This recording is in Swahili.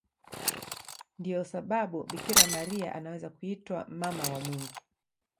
Ndiyo sababu Bikira Maria anaweza kuitwa Mama wa Mungu.